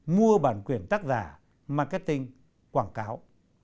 mua bản quyền tác giả marketing quảng cáo